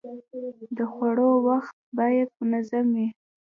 د خوړو وخت باید منظم وي.